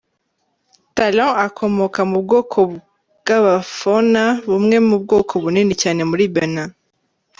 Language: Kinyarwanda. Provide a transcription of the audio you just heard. Talon akomoka mu bwoko bw’ba Fona, bumwe mu bwoko bunini cyane muri Benin.